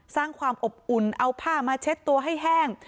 สร้างความอบอุ่นเอาผ้ามาเช็ดตัวให้แห้ง